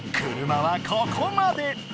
車はここまで！